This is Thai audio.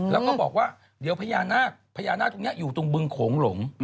แล้วก็บอกว่าเดี๋ยวพญานาคพญานาคตรงนี้อยู่ตรงบึงโขงหลง